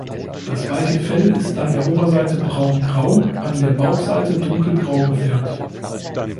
Das weiche Fell ist an der Oberseite braungrau, an der Bauchseite dunkelgrau gefärbt.